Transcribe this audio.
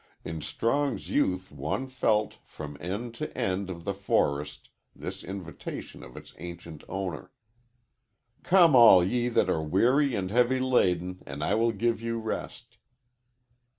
In Strong's youth one felt, from end to end of the forest, this invitation of its ancient owner, "Come all ye that are weary and heavy laden, and I will give you rest."